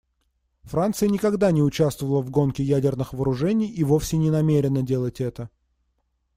Франция никогда не участвовала в гонке ядерных вооружений и вовсе не намерена делать это.